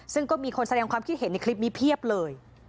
ซึ่งก็มีคนแสดงความคิดเห็นในคลิปนี้เพียบเลย